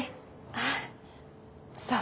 あっそう。